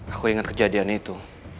aku ingat kejadian itu